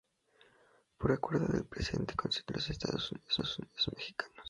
Por acuerdo del presidente constitucional de los Estados Unidos Mexicanos.